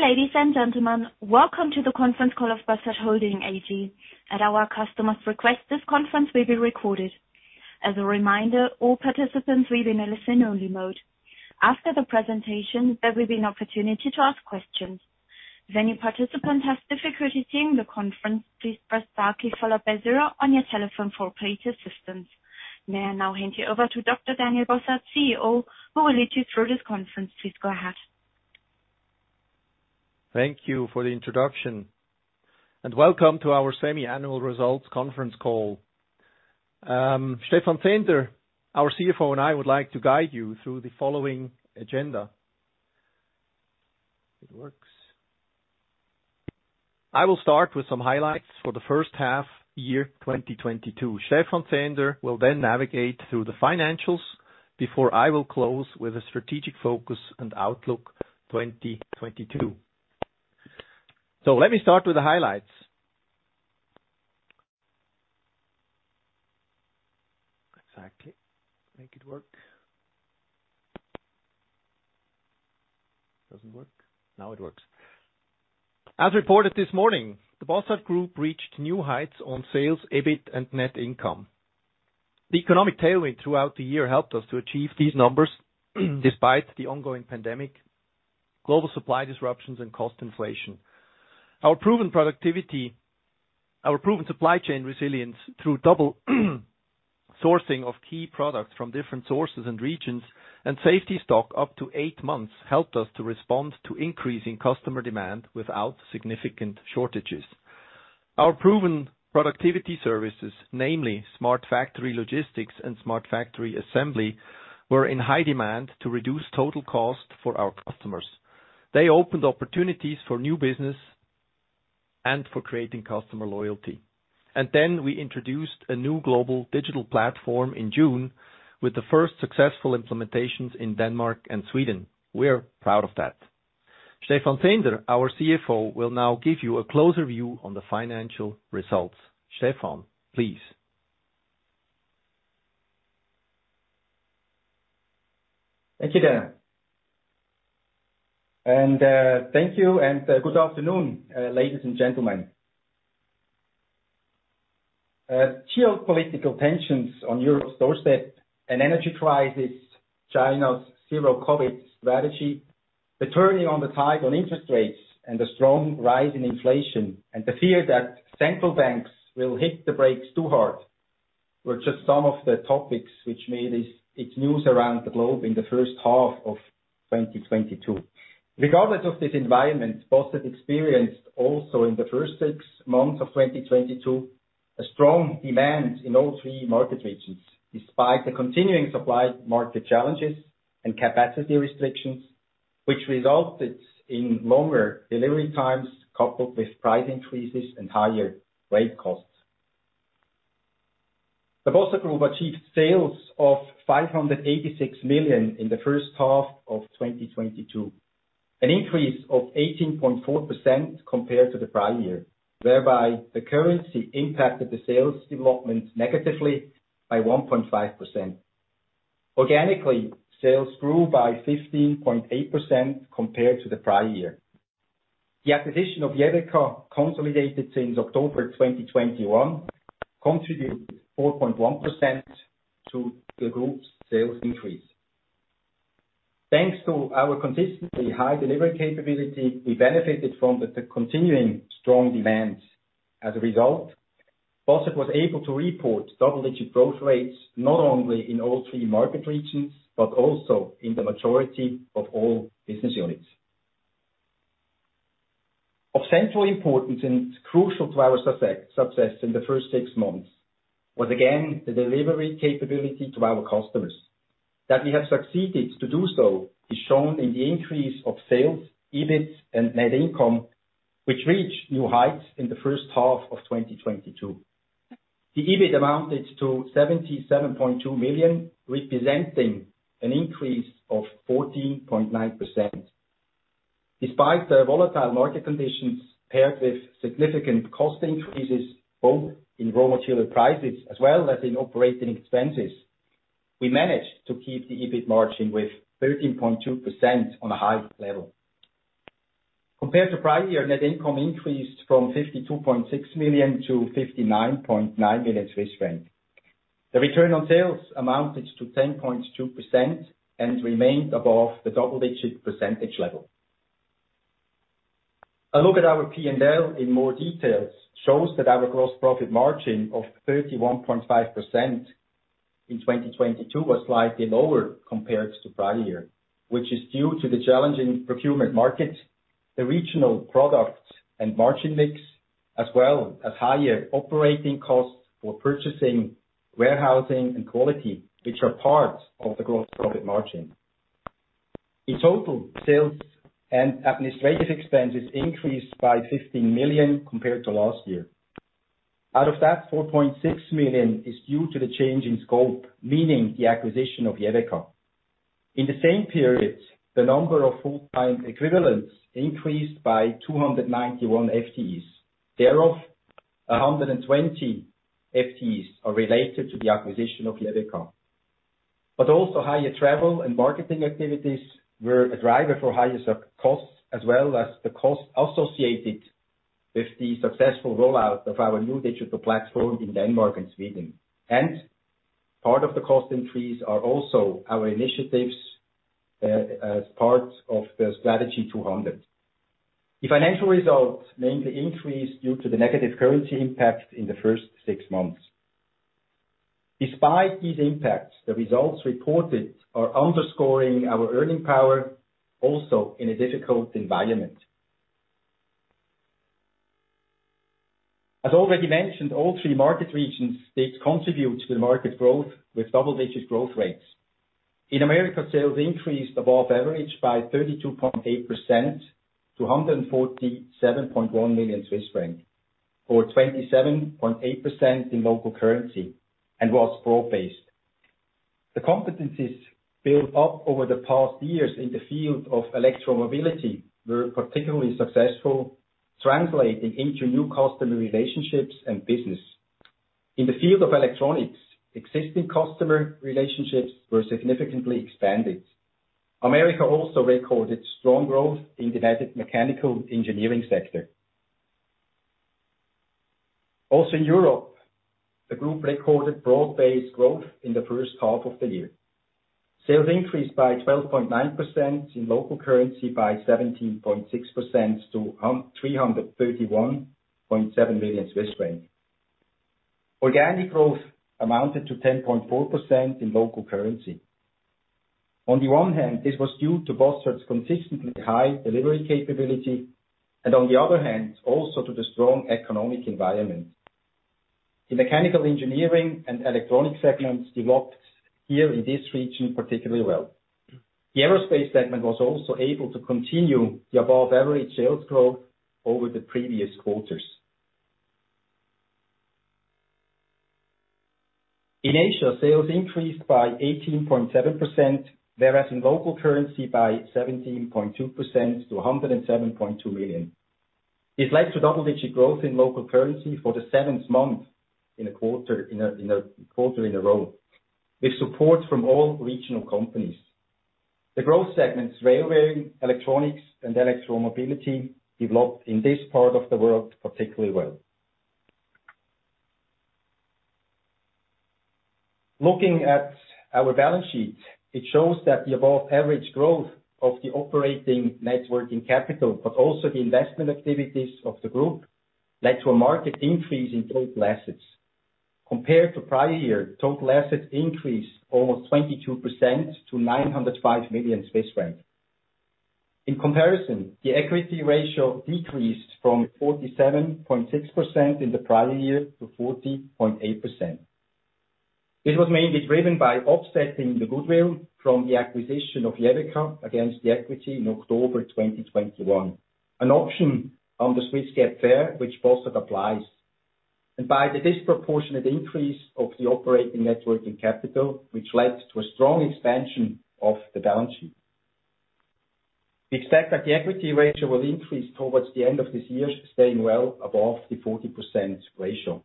Dear ladies and gentlemen, welcome to the conference call of Bossard Holding AG. At our customer's request, this conference will be recorded. As a reminder, all participants will be in a listen-only mode. After the presentation, there will be an opportunity to ask questions. If any participant has difficulty seeing the conference, please press star key followed by zero on your telephone for operator assistance. May I now hand you over to Dr. Daniel Bossard, CEO, who will lead you through this conference. Please go ahead. Thank you for the introduction and welcome to our semi-annual results conference call. Stephan Zehnder, our CFO, and I would like to guide you through the following agenda. I will start with some highlights for the first half year, 2022. Stephan Zehnder will then navigate through the financials before I will close with a strategic focus and outlook 2022. Let me start with the highlights. As reported this morning, the Bossard Group reached new heights on sales, EBIT and net income. The economic tailwind throughout the year helped us to achieve these numbers despite the ongoing pandemic, global supply disruptions, and cost inflation. Our proven supply chain resilience through double sourcing of key products from different sources and regions and safety stock up to eight months, helped us to respond to increasing customer demand without significant shortages. Our proven productivity services, namely Smart Factory Logistics and Smart Factory Assembly, were in high demand to reduce total cost for our customers. They opened opportunities for new business and for creating customer loyalty. We introduced a new global digital platform in June with the first successful implementations in Denmark and Sweden. We're proud of that. Stephan Zehnder, our CFO, will now give you a closer view on the financial results. Stephan, please. Thank you, Daniel. Thank you and good afternoon, ladies and gentlemen. Geopolitical tensions on Europe's doorstep, an energy crisis, China's zero-COVID strategy, the turning of the tide on interest rates and the strong rise in inflation, and the fear that central banks will hit the brakes too hard, were just some of the topics which made the news around the globe in the first half of 2022. Regardless of this environment, Bossard experienced also in the first six months of 2022, a strong demand in all three market regions, despite the continuing supply chain challenges and capacity restrictions, which resulted in longer delivery times, coupled with price increases and higher freight costs. The Bossard Group achieved sales of 586 million in the first half of 2022, an increase of 18.4% compared to the prior year, whereby the currency impacted the sales development negatively by 1.5%. Organically, sales grew by 15.8% compared to the prior year. The acquisition of Jeveka, consolidated since October 2021, contributed 4.1% to the group's sales increase. Thanks to our consistently high delivery capability, we benefited from the continuing strong demand. As a result, Bossard was able to report double-digit growth rates, not only in all three market regions, but also in the majority of all business units. Of central importance and crucial to our success in the first six months was again the delivery capability to our customers. That we have succeeded to do so is shown in the increase of sales, EBIT, and net income, which reached new heights in the first half of 2022. The EBIT amounted to 77.2 million, representing an increase of 14.9%. Despite the volatile market conditions paired with significant cost increases, both in raw material prices as well as in operating expenses, we managed to keep the EBIT margin with 13.2% on a high level. Compared to prior year, net income increased from 52.6 million to 59.9 million Swiss francs. The return on sales amounted to 10.2% and remained above the double-digit percentage level. A look at our P&L in more detail shows that our gross profit margin of 31.5% in 2022 was slightly lower compared to prior year, which is due to the challenging procurement market, the regional products and margin mix, as well as higher operating costs for purchasing, warehousing and quality, which are parts of the gross profit margin. In total, sales and administrative expenses increased by 15 million compared to last year. Out of that, 4.6 million is due to the change in scope, meaning the acquisition of Jeveka. In the same period, the number of full-time equivalents increased by 291 FTEs. Thereof, 120 FTEs are related to the acquisition of Jeveka. Also higher travel and marketing activities were a driver for higher SG&A costs, as well as the cost associated with the successful rollout of our new digital platform in Denmark and Sweden. Part of the cost increase are also our initiatives, as part of the Strategy 200. The financial results mainly increased due to the negative currency impact in the first six months. Despite these impacts, the results reported are underscoring our earning power also in a difficult environment. As already mentioned, all three market regions did contribute to the market growth with double-digit growth rates. In Americas, sales increased above average by 32.8% to 147.1 million Swiss francs or 27.8% in local currency, and was broad-based. The competencies built up over the past years in the field of electromobility were particularly successful, translating into new customer relationships and business. In the field of electronics, existing customer relationships were significantly expanded. Americas also recorded strong growth in the mechanical engineering sector. In Europe, the group recorded broad-based growth in the first half of the year. Sales increased by 12.9%, in local currency by 17.6% to 331.7 million Swiss francs. Organic growth amounted to 10.4% in local currency. On the one hand, this was due to Bossard's consistently high delivery capability, and on the other hand, also to the strong economic environment. The mechanical engineering and electronics segments developed here in this region particularly well. The aerospace segment was also able to continue the above-average sales growth over the previous quarters. In Asia, sales increased by 18.7%, whereas in local currency by 17.2% to 107.2 million. This led to double-digit growth in local currency for the seventh month in a quarter in a row, with support from all regional companies. The growth segments, railway, electronics, and electromobility, developed in this part of the world particularly well. Looking at our balance sheet, it shows that the above-average growth of the operating net working capital, but also the investment activities of the group, led to a marked increase in total assets. Compared to prior year, total assets increased almost 22% to 905 million Swiss francs. In comparison, the equity ratio decreased from 47.6% in the prior year to 40.8%. This was mainly driven by offsetting the goodwill from the acquisition of Jeveka against the equity in October 2021, an option on the Swiss GAAP FER, which Bossard applies. By the disproportionate increase of the operating net working capital, which led to a strong expansion of the balance sheet. We expect that the equity ratio will increase towards the end of this year, staying well above the 40% ratio.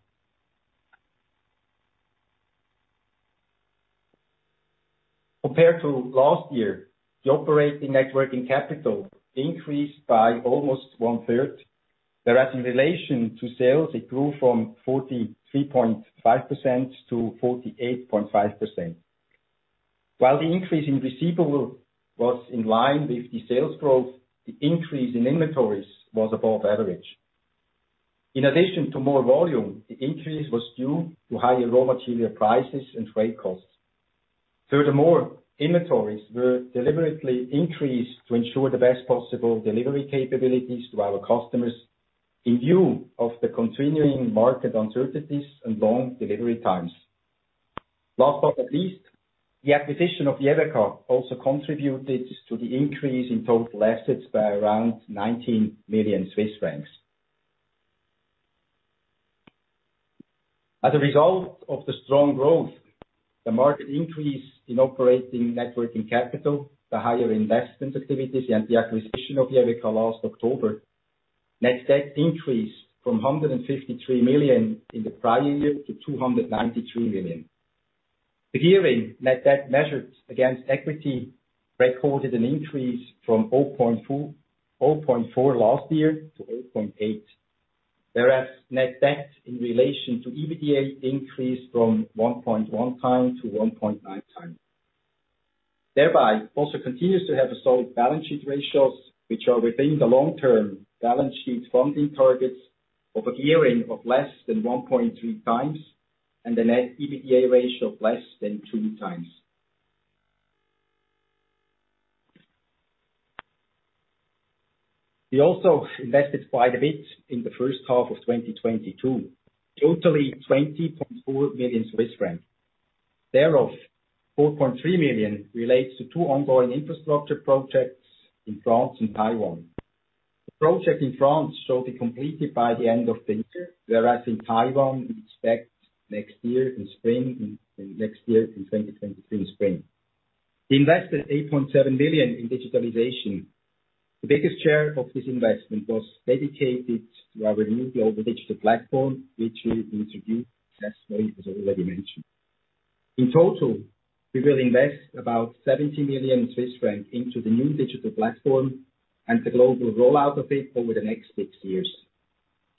Compared to last year, the operating net working capital increased by almost one-third, whereas in relation to sales, it grew from 43.5% to 48.5%. While the increase in receivables was in line with the sales growth, the increase in inventories was above average. In addition to more volume, the increase was due to higher raw material prices and freight costs. Furthermore, inventories were deliberately increased to ensure the best possible delivery capabilities to our customers in view of the continuing market uncertainties and long delivery times. Last but not least, the acquisition of Jeveka also contributed to the increase in total assets by around 19 million Swiss francs. As a result of the strong growth, the marked increase in operating net working capital, the higher investment activities, and the acquisition of Jeveka last October, net debt increased from 153 million in the prior year to 293 million. The gearing net debt measured against equity recorded an increase from 0.4 last year to 0.8. Whereas net debt in relation to EBITDA increased from 1.1x to 1.9x. Thereby, Bossard continues to have a solid balance sheet ratios, which are within the long-term balance sheet funding targets of a gearing of less than 1.3 times, and a net EBITDA ratio of less than 3x. We also invested quite a bit in the first half of 2022, totally 20.4 million Swiss francs. Thereof, 4.3 million relates to two ongoing infrastructure projects in France and Taiwan. The project in France shall be completed by the end of the year, whereas in Taiwan, we expect next year in spring in 2023. We invested 8.7 million in digitalization. The biggest share of this investment was dedicated to our renewal of the digital platform, which we introduced successfully, as already mentioned. In total, we will invest about 70 million Swiss francs into the new digital platform and the global rollout of it over the next six years.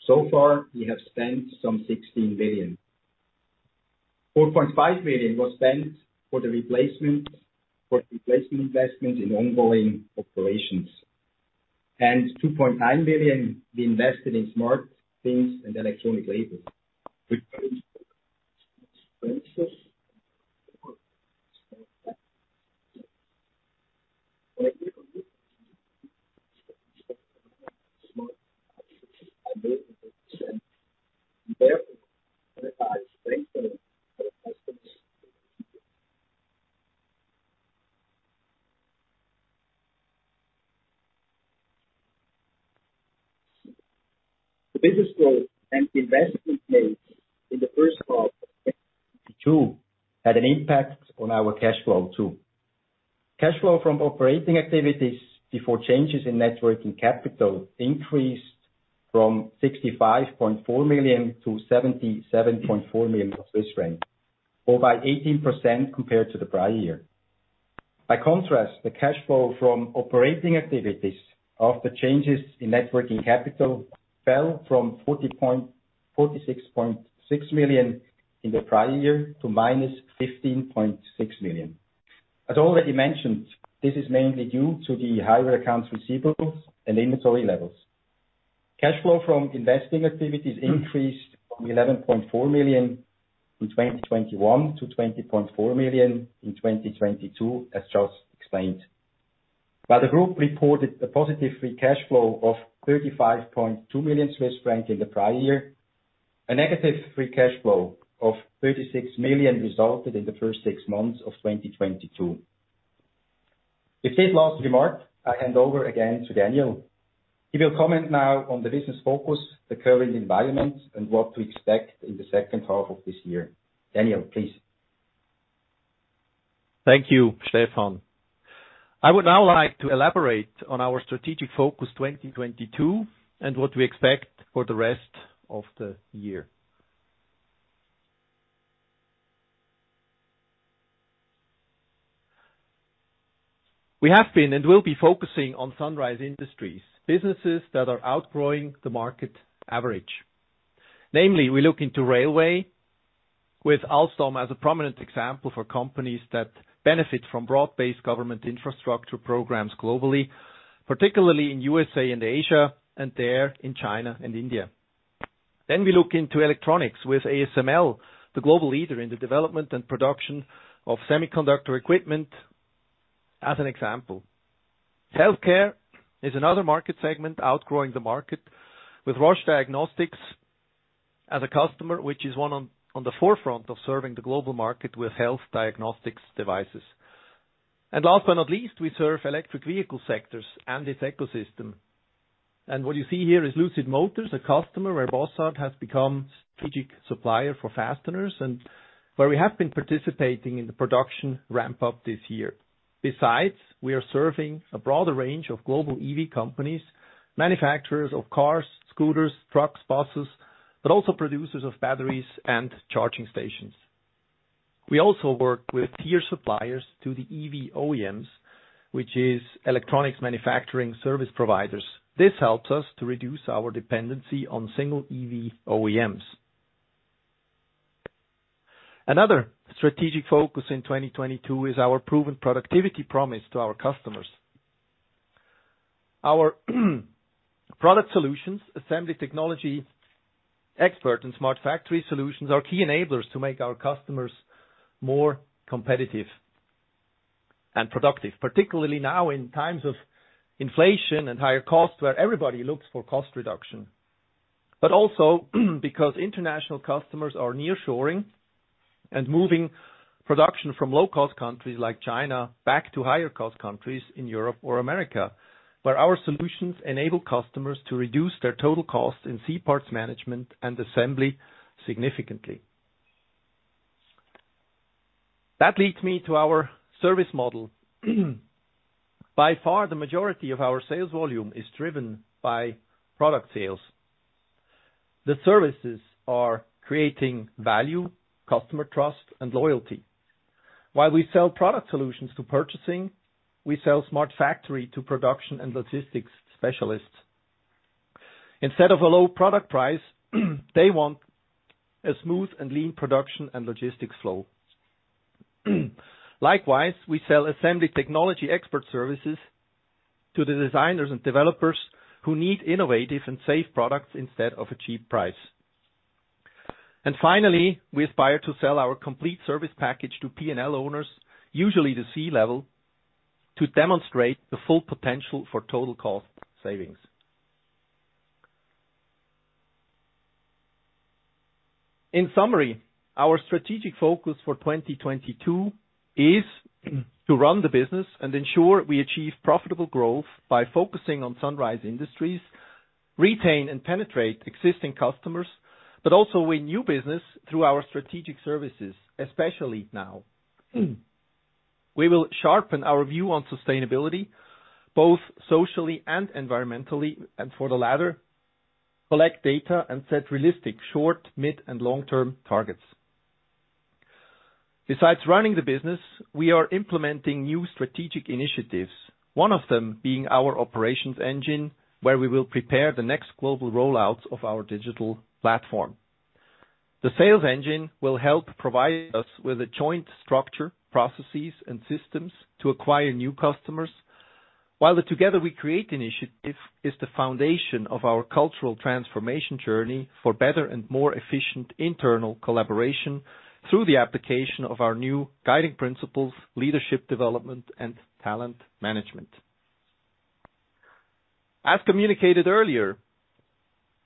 So far, we have spent some 16 million. 4.5 million was spent for replacement investment in ongoing operations, and 2.9 million we invested in smart things and electronic labels. The business growth and investment made in the first half of 2022 had an impact on our cash flow, too. Cash flow from operating activities before changes in net working capital increased from 65.4 million to 77.4 million, or by 18% compared to the prior year. By contrast, the cash flow from operating activities after changes in net working capital fell from 46.6 million in the prior year to -15.6 million. As already mentioned, this is mainly due to the higher accounts receivables and inventory levels. Cash flow from investing activities increased from 11.4 million in 2021 to 20.4 million in 2022, as Stephan Zehnder explained. While the group reported a positive free cash flow of 35.2 million Swiss francs in the prior year, a negative free cash flow of 36 million resulted in the first six months of 2022. With these last remarks, I hand over again to Daniel. He will comment now on the business focus, the current environment, and what to expect in the second half of this year. Daniel, please. Thank you, Stephan. I would now like to elaborate on our strategic focus 2022, and what we expect for the rest of the year. We have been and will be focusing on sunrise industries, businesses that are outgrowing the market average. Namely, we look into railway with Alstom as a prominent example for companies that benefit from broad-based government infrastructure programs globally, particularly in USA and Asia, and there in China and India. We look into electronics with ASML, the global leader in the development and production of semiconductor equipment as an example. Healthcare is another market segment outgrowing the market with Roche Diagnostics as a customer, which is at the forefront of serving the global market with health diagnostics devices. Last but not least, we serve electric vehicle sectors and its ecosystem. What you see here is Lucid Motors, a customer where Bossard has become strategic supplier for fasteners, and where we have been participating in the production ramp-up this year. Besides, we are serving a broader range of global EV companies, manufacturers of cars, scooters, trucks, buses, but also producers of batteries and charging stations. We also work with tier suppliers to the EV OEMs, which is electronics manufacturing service providers. This helps us to reduce our dependency on single EV OEMs. Another strategic focus in 2022 is our proven productivity promise to our customers. Our product solutions, Assembly Technology Expert, and Smart Factory solutions are key enablers to make our customers more competitive and productive, particularly now in times of inflation and higher costs, where everybody looks for cost reduction. Also because international customers are near-shoring and moving production from low-cost countries like China back to higher cost countries in Europe or America, where our solutions enable customers to reduce their total cost in C-parts management and assembly significantly. That leads me to our service model. By far, the majority of our sales volume is driven by product sales. The services are creating value, customer trust, and loyalty. While we sell product solutions to purchasing, we sell Smart Factory to production and logistics specialists. Instead of a low product price, they want a smooth and lean production and logistics flow. Likewise, we sell Assembly Technology Expert services to the designers and developers who need innovative and safe products instead of a cheap price. Finally, we aspire to sell our complete service package to P&L owners, usually the C-level, to demonstrate the full potential for total cost savings. In summary, our strategic focus for 2022 is to run the business and ensure we achieve profitable growth by focusing on sunrise industries. Retain and penetrate existing customers, but also win new business through our strategic services, especially now. We will sharpen our view on sustainability, both socially and environmentally, and for the latter, collect data and set realistic short, mid, and long-term targets. Besides running the business, we are implementing new strategic initiatives, one of them being our operations engine, where we will prepare the next global rollouts of our digital platform. The sales engine will help provide us with a joint structure, processes, and systems to acquire new customers. While the Together We Create initiative is the foundation of our cultural transformation journey for better and more efficient internal collaboration through the application of our new guiding principles, leadership development, and talent management. As communicated earlier,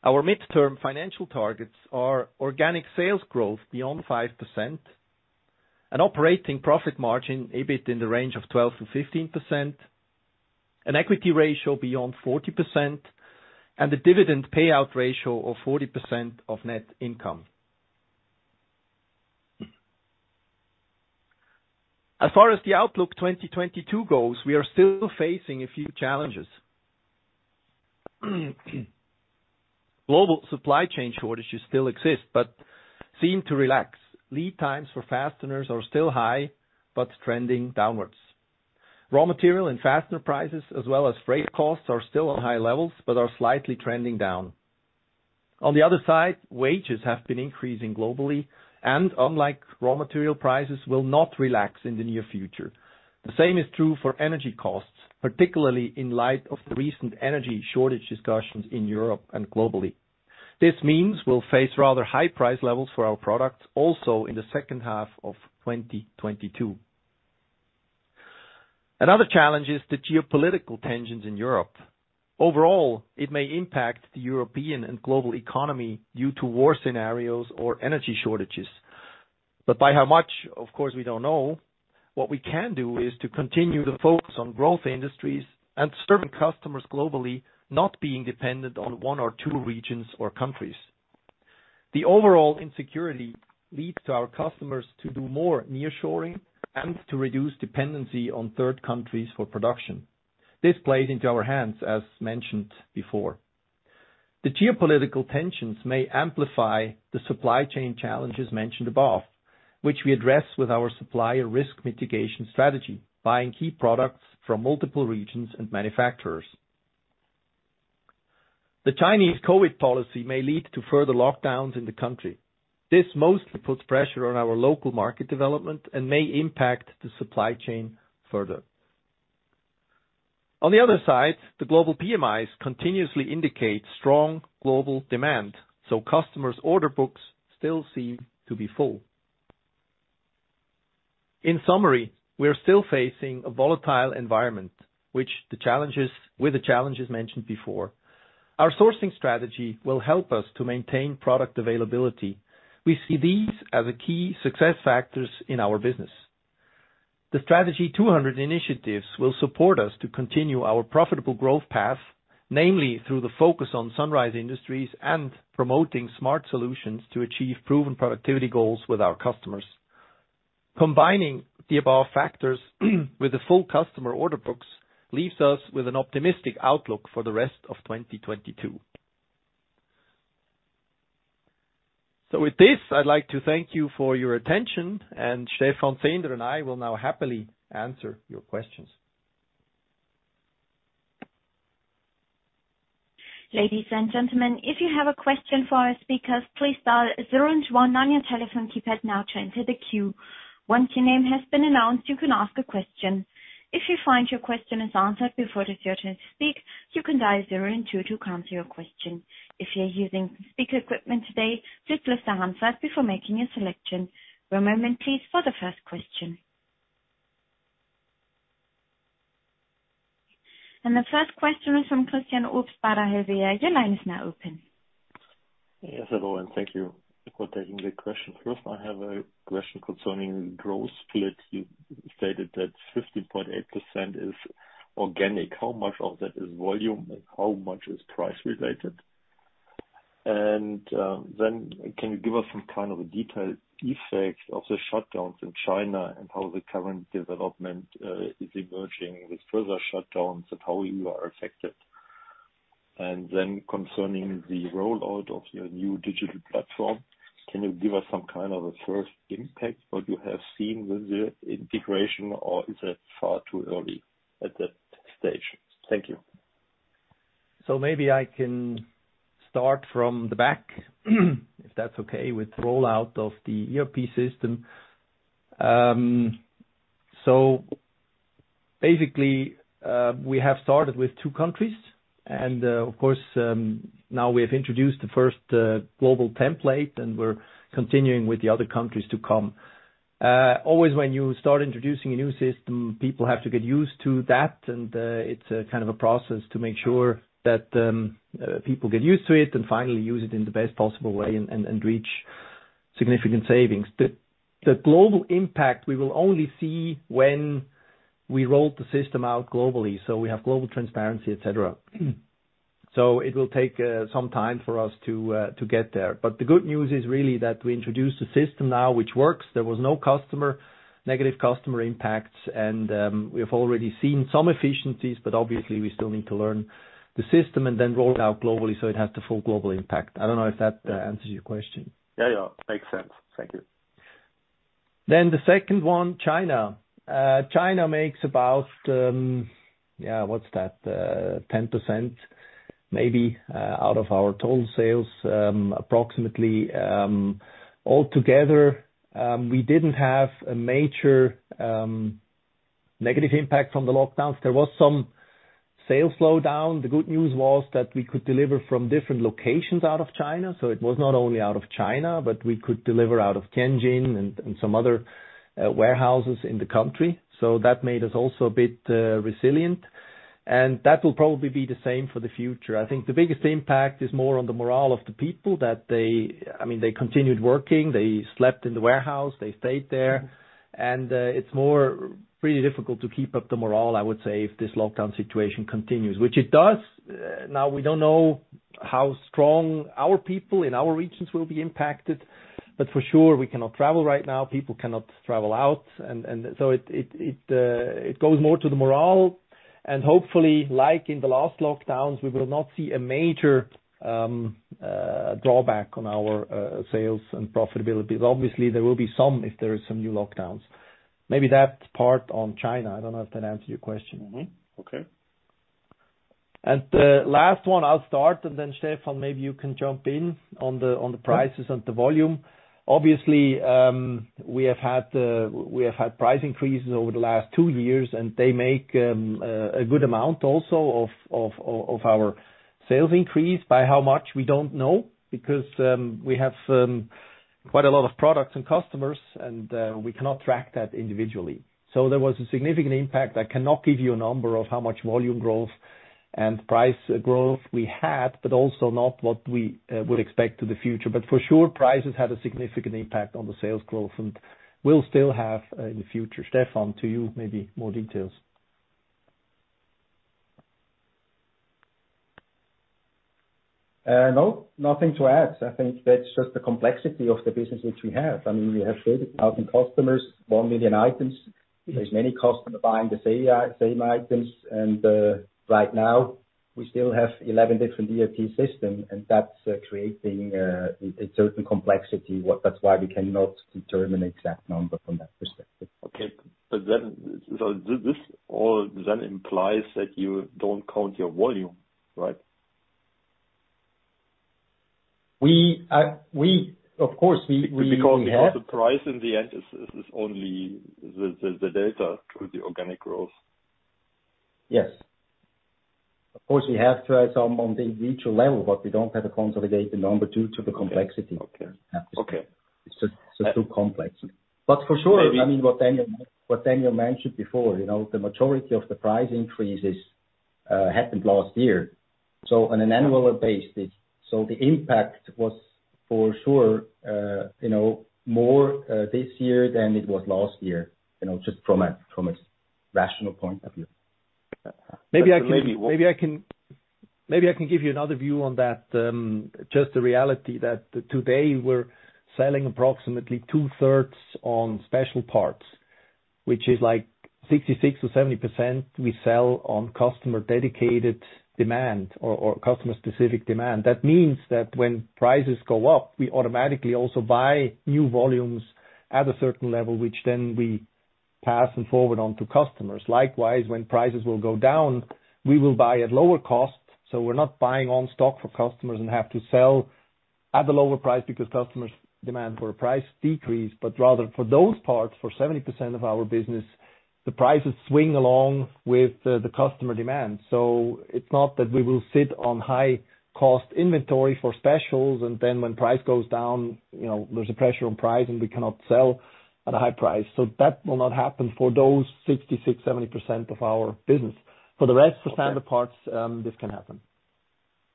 our midterm financial targets are organic sales growth beyond 5%, an operating profit margin, EBIT, in the range of 12%-15%, an equity ratio beyond 40%, and a dividend payout ratio of 40% of net income. As far as the outlook 2022 goes, we are still facing a few challenges. Global supply chain shortages still exist, but seem to relax. Lead times for fasteners are still high, but trending downwards. Raw material and fastener prices, as well as freight costs, are still on high levels, but are slightly trending down. On the other side, wages have been increasing globally, and unlike raw material prices, will not relax in the near future. The same is true for energy costs, particularly in light of the recent energy shortage discussions in Europe and globally. This means we'll face rather high price levels for our products also in the second half of 2022. Another challenge is the geopolitical tensions in Europe. Overall, it may impact the European and global economy due to war scenarios or energy shortages. By how much, of course, we don't know. What we can do is to continue to focus on growth industries and serving customers globally, not being dependent on one or two regions or countries. The overall insecurity leads our customers to do more nearshoring and to reduce dependency on third countries for production. This plays into our hands, as mentioned before. The geopolitical tensions may amplify the supply chain challenges mentioned above, which we address with our supplier risk mitigation strategy, buying key products from multiple regions and manufacturers. The Chinese COVID policy may lead to further lockdowns in the country. This mostly puts pressure on our local market development and may impact the supply chain further. On the other side, the global PMIs continuously indicate strong global demand, so customers' order books still seem to be full. In summary, we are still facing a volatile environment, with the challenges mentioned before. Our sourcing strategy will help us to maintain product availability. We see these as the key success factors in our business. The Strategy 200 initiatives will support us to continue our profitable growth path, namely through the focus on sunrise industries and promoting smart solutions to achieve proven productivity goals with our customers. Combining the above factors with the full customer order books leaves us with an optimistic outlook for the rest of 2022. With this, I'd like to thank you for your attention, and Stephan Zehnder and I will now happily answer your questions. Ladies and gentlemen, if you have a question for our speakers, please dial zero and two one on your telephone keypad now to enter the queue. Once your name has been announced, you can ask a question. If you find your question is answered before it is your turn to speak, you can dial zero and two to cancel your question. If you're using speaker equipment today, please lift the handset before making your selection. One moment, please, for the first question. The first question is from Christian Arnold, ODDO BHF. Your line is now open. Yes, hello, and thank you for taking the question. First, I have a question concerning growth split. You stated that 15.8% is organic. How much of that is volume and how much is price related? Then can you give us some kind of a detailed effect of the shutdowns in China and how the current development is emerging with further shutdowns and how you are affected? Then concerning the rollout of your new digital platform, can you give us some kind of a first impact what you have seen with the integration, or is it far too early at that stage? Thank you. Maybe I can start from the back, if that's okay, with rollout of the ERP system. Basically, we have started with two countries. Of course, now we have introduced the first global template, and we're continuing with the other countries to come. Always when you start introducing a new system, people have to get used to that. It's a kind of a process to make sure that people get used to it and finally use it in the best possible way and reach significant savings. The global impact we will only see when we roll the system out globally, so we have global transparency, et cetera. It will take some time for us to get there. The good news is really that we introduced a system now which works. There was no negative customer impacts, and we have already seen some efficiencies, but obviously we still need to learn the system and then roll it out globally so it has the full global impact. I don't know if that answers your question. Yeah, yeah. Makes sense. Thank you. The second one, China. China makes about 10% maybe out of our total sales, approximately. All together, we didn't have a major negative impact from the lockdowns. There was some sales slowdown. The good news was that we could deliver from different locations out of China, so it was not only out of China, but we could deliver out of Tianjin and some other warehouses in the country. That made us also a bit resilient, and that will probably be the same for the future. I think the biggest impact is more on the morale of the people that they, I mean, they continued working, they slept in the warehouse, they stayed there. It's more really difficult to keep up the morale, I would say, if this lockdown situation continues. Which it does. Now we don't know how strong our people in our regions will be impacted, but for sure we cannot travel right now, people cannot travel out, and so it goes more to the morale. Hopefully, like in the last lockdowns, we will not see a major drawback on our sales and profitability. Obviously, there will be some if there is some new lockdowns. Maybe that's part on China. I don't know if that answered your question. Mm-hmm. Okay. The last one I'll start, and then Stephan, maybe you can jump in on the prices and the volume. Obviously, we have had price increases over the last two years, and they make a good amount also of our sales increase. By how much, we don't know because we have quite a lot of products and customers and we cannot track that individually. There was a significant impact. I cannot give you a number of how much volume growth and price growth we had, but also not what we would expect to the future. For sure, prices had a significant impact on the sales growth and will still have in the future. Stephan, to you maybe more details. No, nothing to add. I think that's just the complexity of the business which we have. I mean, we have 30,000 customers, 1 million items. There's many customers buying the same items and, right now we still have 11 different ERP system, and that's creating a certain complexity. That's why we cannot determine exact number from that perspective. Okay. This all then implies that you don't count your volume, right? Of course, we have. Because we have the price in the end is only the data to the organic growth. Yes. Of course, we have to add some on the individual level, but we don't have a consolidated number due to the complexity. Okay. It's just, it's too complex. For sure, I mean, what Daniel mentioned before, you know, the majority of the price increases happened last year. On an annual basis. The impact was for sure, you know, more this year than it was last year, you know, just from a rational point of view. Maybe I can give you another view on that. Just the reality that today we're selling approximately two-thirds on special parts, which is like 66%-70% we sell on customer-dedicated demand or customer-specific demand. That means that when prices go up, we automatically also buy new volumes at a certain level, which then we pass them forward on to customers. Likewise, when prices will go down, we will buy at lower cost. We're not buying on stock for customers and have to sell at a lower price because customers demand for a price decrease, but rather for those parts, for 70% of our business, the prices swing along with the customer demand. It's not that we will sit on high cost inventory for specials, and then when price goes down, you know, there's a pressure on price and we cannot sell at a high price. That will not happen for those 66%-70% of our business. For the rest- Okay. The standard parts, this can happen.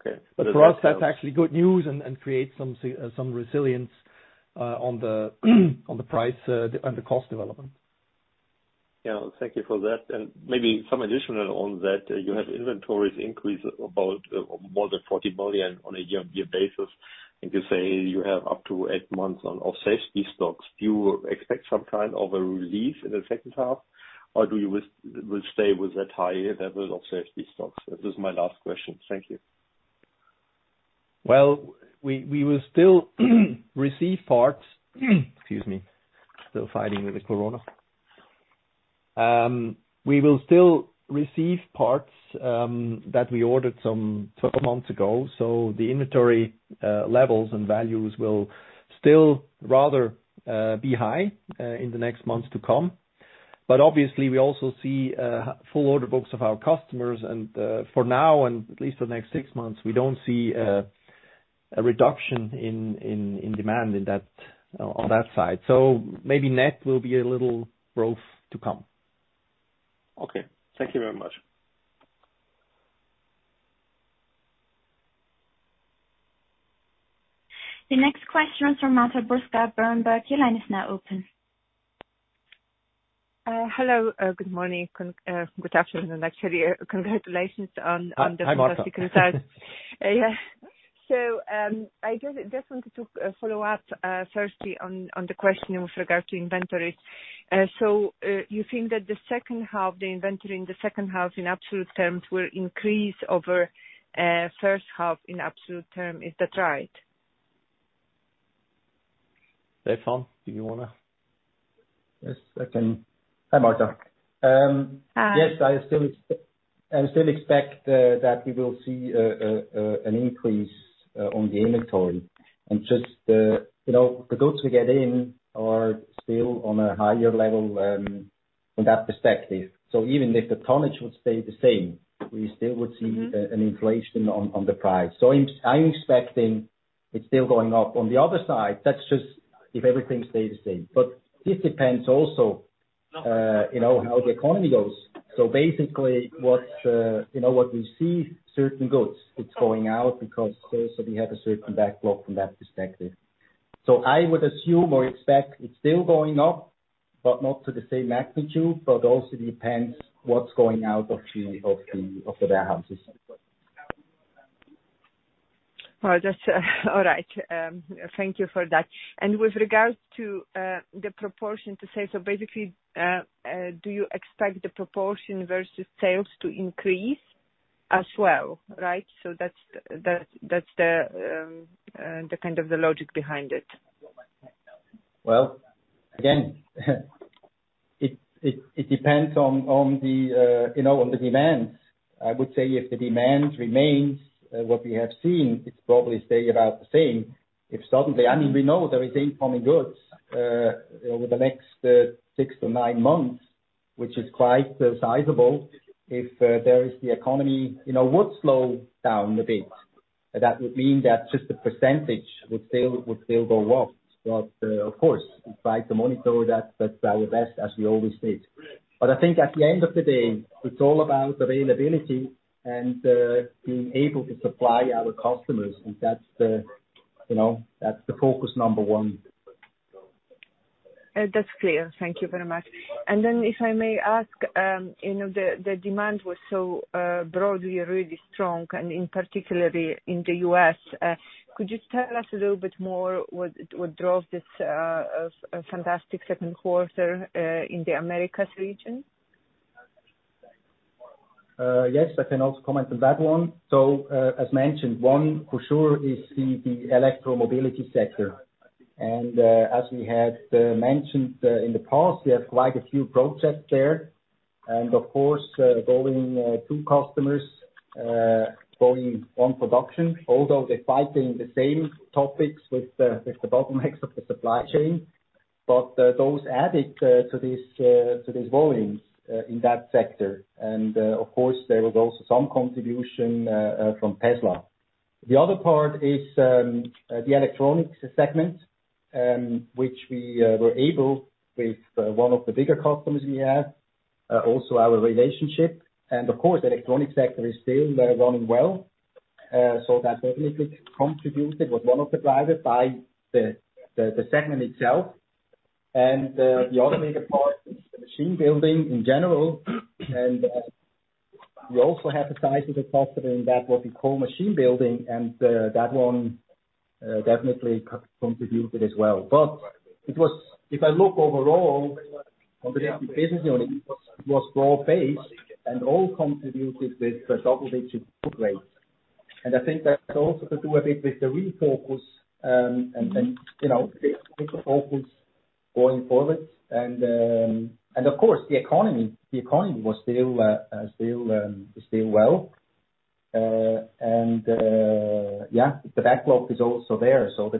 Okay. For us, that's actually good news and creates some resilience on the cost development. Yeah. Thank you for that. Maybe some additional on that. You have inventories increase about more than 40 million on a year-on-year basis. You say you have up to eight months of safety stocks. Do you expect some kind of a relief in the second half, or do you will stay with that higher level of safety stocks? This is my last question. Thank you. Well, we will still receive parts. Excuse me. Still fighting with the corona. We will still receive parts that we ordered some 12 months ago. The inventory levels and values will still rather be high in the next months to come. Obviously, we also see full order books of our customers. For now, and at least for the next 6 months, we don't see a reduction in demand on that side. Maybe net will be a little growth to come. Okay. Thank you very much. The next question is from Marta Brzostowska, Berenberg. Your line is now open. Hello. Good morning. Good afternoon, actually. Congratulations on Hi, Marta. The fantastic results. Yeah. I just wanted to follow up firstly on the question with regard to inventories. You think that the second half, the inventory in the second half in absolute terms will increase over first half in absolute term. Is that right? Stephan, do you wanna? Yes, I can. Hi, Marta. Hi. Yes, I still expect that we will see an increase on the inventory. Just, you know, the goods we get in are still on a higher level from that perspective. Even if the tonnage would stay the same, we still would see an inflation on the price. I'm expecting it's still going up. On the other side, that's just if everything stay the same. This depends also, you know, how the economy goes. Basically what you know, what we see certain goods, it's going out because also we have a certain backlog from that perspective. I would assume or expect it's still going up, but not to the same magnitude. Also depends what's going out of the warehouses. Well, that's all right. Thank you for that. With regards to the proportion to sales, so basically, do you expect the proportion versus sales to increase as well, right? That's the kind of logic behind it. Well, again, it depends on, you know, the demand. I would say if the demand remains what we have seen, it's probably stay about the same. If suddenly, I mean, we know there is incoming goods over the next six to nine months, which is quite sizable. If there is the economy, you know, would slow down a bit, that would mean that just the percentage would still go up. Of course, we try to monitor that the best as we always did. I think at the end of the day, it's all about availability and being able to supply our customers. That's, you know, the focus number one. That's clear. Thank you very much. If I may ask, you know, the demand was so broadly really strong, and particularly in the U.S. Could you tell us a little bit more what drove this fantastic second quarter in the Americas region? Yes, I can also comment on that one. As mentioned, one for sure is the electromobility sector. As we had mentioned in the past, we have quite a few projects there. Of course, two customers going into production, although they're facing the same challenges with the bottlenecks of the supply chain. Those added to these volumes in that sector. Of course, there was also some contribution from Tesla. The other part is the electronics segment, which we were able to strengthen our relationship with one of the bigger customers we have. Of course, the electronic sector is still running well. That definitely contributed, one of the drivers being the segment itself. The other major part is the machine building in general. We also have the size of the customer in that what we call machine building. That one definitely contributed as well. If I look overall on the business unit, it was broad-based and all contributed with a double-digit growth rate. I think that's also to do a bit with the refocus, you know, this focus going forward. Of course, the economy was still well. The backlog is also there. The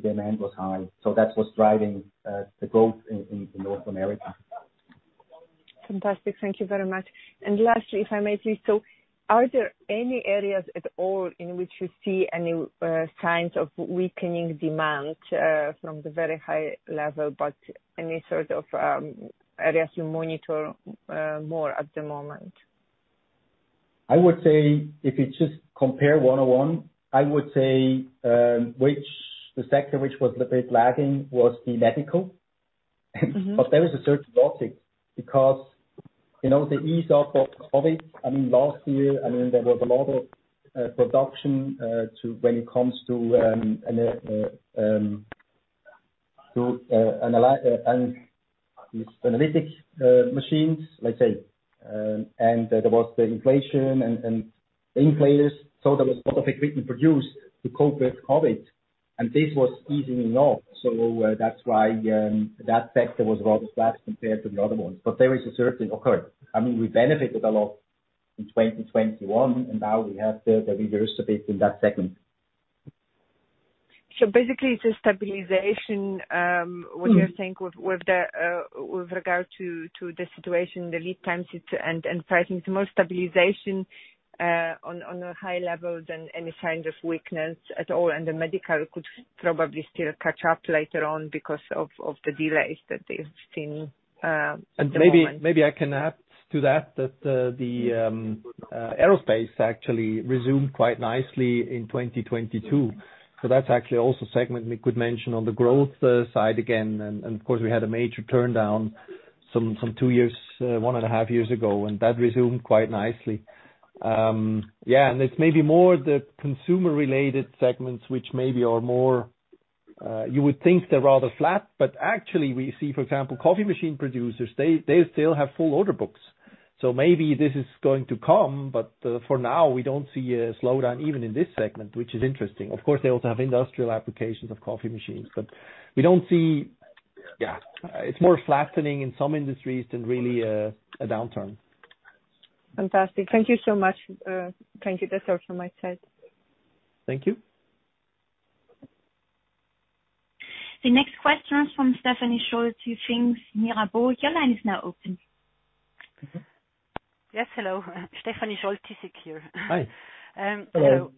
demand was high. That's what's driving the growth in North America. Fantastic. Thank you very much. Lastly, if I may please. Are there any areas at all in which you see any signs of weakening demand from the very high level, but any sort of areas you monitor more at the moment? I would say if you just compare one-on-one, I would say, the sector which was a bit lagging was the medical. Mm-hmm. There is a certain logic because, you know, the easing off of COVID, I mean, last year, I mean, there was a lot of production, too, when it comes to these analytics machines, let's say. There was the ventilation and ventilators. There was a lot of equipment produced to cope with COVID, and this was easing off. That's why that sector was rather flat compared to the other ones. There is a certain occurrence. I mean, we benefited a lot in 2021, and now we have the reverse a bit in that segment. Basically it's a stabilization. What you're saying with regard to the situation, the lead times and pricing. It's more stabilization on a high level than any sign of weakness at all. The medical could probably still catch up later on because of the delays that they've seen at the moment. Maybe I can add to that aerospace actually resumed quite nicely in 2022. So that's actually also a segment we could mention on the growth side again. Of course, we had a major turndown some 2 years, 1.5 years ago, and that resumed quite nicely. Yeah, it's maybe more the consumer-related segments which maybe are more, you would think they're rather flat, but actually we see, for example, coffee machine producers, they still have full order books. So maybe this is going to come, but for now we don't see a slowdown even in this segment, which is interesting. Of course, they also have industrial applications of coffee machines. But we don't see. Yeah. It's more flattening in some industries than really a downturn. Fantastic. Thank you so much. Thank you. That's all from my side. Thank you. The next question is from Stephanie Scholtissek, Mirabaud. Your line is now open. Yes, hello. Stephanie Scholtissek here. Hi. Hello.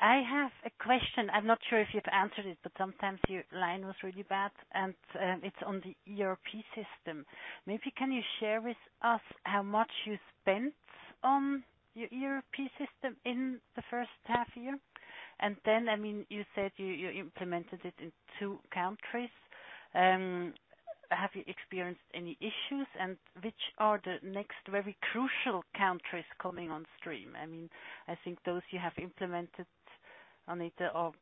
I have a question. I'm not sure if you've answered it, but sometimes your line was really bad, and it's on the ERP system. Maybe can you share with us how much you spent on your ERP system in the first half year? And then, I mean, you said you implemented it in two countries. Have you experienced any issues? And which are the next very crucial countries coming on stream? I mean, I think those you have implemented on it are,